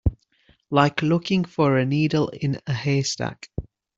Like looking for a needle in a haystack.